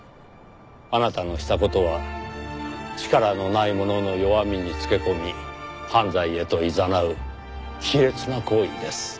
あなたのした事は力のない者の弱みに付け込み犯罪へといざなう卑劣な行為です。